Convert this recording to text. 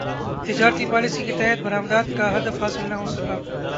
تجارتی پالیسی کے تحت برامدات کا ہدف حاصل نہ ہوسکا